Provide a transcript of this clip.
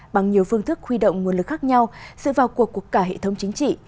bằng nhiều phương thức huy động nguồn lực khác nhau sự vào cuộc của cả hệ thống chính trị